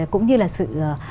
cũng như là sự